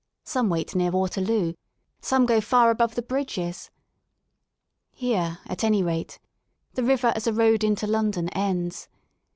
Some wait near Waterloo, some go far above the bridges. Here at any rate the river as a road into London ends.